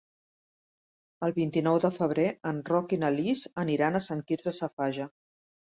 El vint-i-nou de febrer en Roc i na Lis aniran a Sant Quirze Safaja.